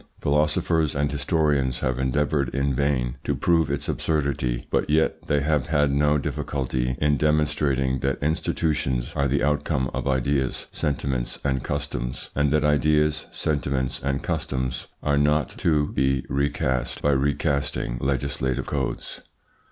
Philosophers and historians have endeavoured in vain to prove its absurdity, but yet they have had no difficulty in demonstrating that institutions are the outcome of ideas, sentiments, and customs, and that ideas, sentiments, and customs are not to be recast by recasting legislative codes.